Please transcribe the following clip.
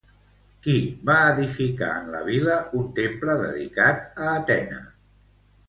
Qui va edificar en la vila un temple dedicat a Atena?